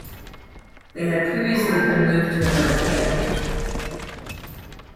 They had previously been moved to another camp.